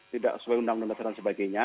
tidak sesuai undang undang dasar dan sebagainya